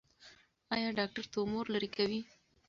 ایا ډاکټر تومور لرې کوي؟